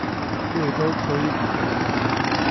贵州可以指